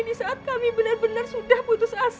ini saat kami benar benar sudah putus asa